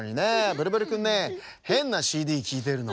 ブルブルくんねへんなＣＤきいてるの。